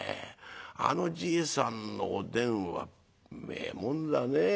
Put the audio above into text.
あのじいさんのおでんはうめえもんだねえ。